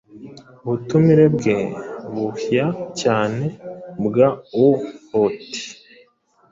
Ubutumire bwe buhya cyane bwaohote